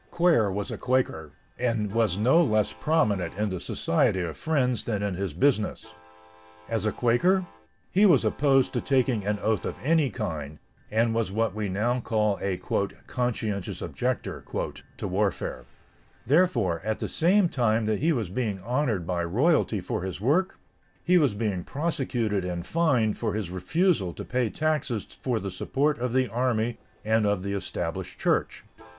Quare was a Quaker, and was no less prominent in the Society of Friends than in his business. As a Quaker, he was opposed to taking an oath of any kind, and was what we now call a "conscientious objector" to warfare. Therefore, at the same time that he was being honored by royalty for his work, he was being prosecuted and fined for his refusal to pay taxes for the support of the army and of the Established Church.